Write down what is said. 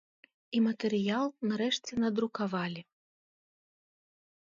І матэрыял нарэшце надрукавалі.